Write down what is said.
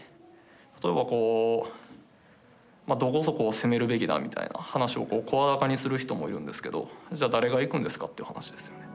例えばこうどこそこを攻めるべきだみたいな話を声高にする人もいるんですけど「じゃあ誰が行くんですか」という話ですよね。